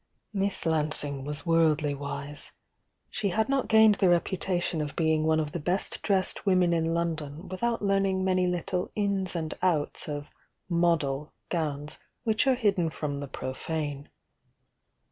Miss Lansing was worldly wise ; she had not gained the reputation of being one of the best dressed women in London without learning many little ins and outs of "model" gowns which are hidden from the profane.